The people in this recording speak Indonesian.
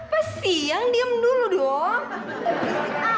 apa sih yang diem dulu dong